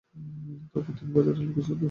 এরপর তিনি বাজার থেকে কিছু তথ্য সংগ্রহ করেন।